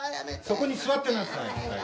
そこに座ってなさい。